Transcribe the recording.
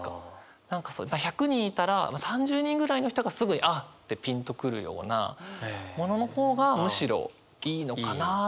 何か１００人いたら３０人ぐらいの人がすぐに「あ！」ってピンとくるようなものの方がむしろいいのかなって。